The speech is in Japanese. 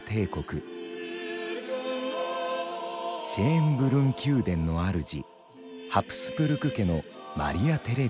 シェーンブルン宮殿の主ハプスブルク家のマリア・テレジア。